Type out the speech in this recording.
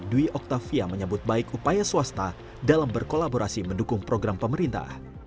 dwi octavia menyebut baik upaya swasta dalam berkolaborasi mendukung program pemerintah